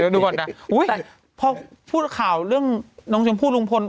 เดี๋ยวดูก่อนนะพอพูดข่าวเรื่องน้องชมพู่ลุงพล